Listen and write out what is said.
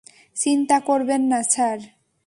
চিন্তা করবেন না, স্যার।